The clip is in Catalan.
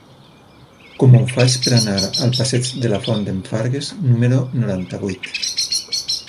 Com ho faig per anar al passeig de la Font d'en Fargues número noranta-vuit?